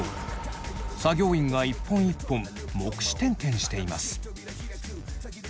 作業員が一本一本目視点検しています。